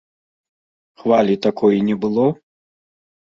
Хвалі такой не было?